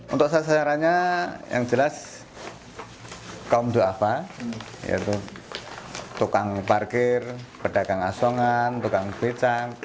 untuk sasarannya yang jelas kaum doa apa yaitu tukang parkir pedagang asongan tukang becang